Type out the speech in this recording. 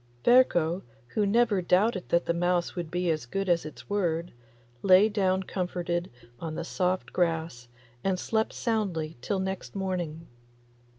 Ferko, who never doubted that the mouse would be as good as its word, lay down comforted on the soft grass and slept soundly till next morning.